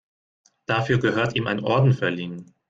Dafür gehört ihm ein Orden verliehen.